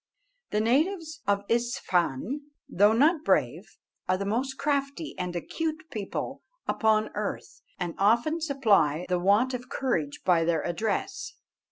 The natives of Isfahan, though not brave, are the most crafty and acute people upon earth, and often supply the want of courage by their address.